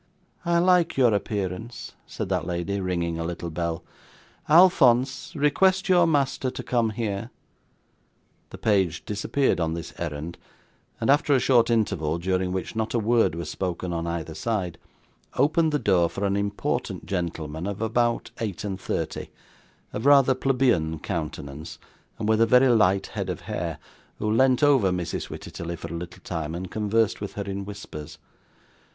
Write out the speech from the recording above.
'I like your appearance,' said that lady, ringing a little bell. 'Alphonse, request your master to come here.' The page disappeared on this errand, and after a short interval, during which not a word was spoken on either side, opened the door for an important gentleman of about eight and thirty, of rather plebeian countenance, and with a very light head of hair, who leant over Mrs Wititterly for a little time, and conversed with her in whispers.